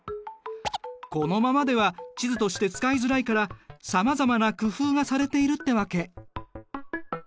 このままでは地図として使いづらいからさまざまな工夫がされているってわけ。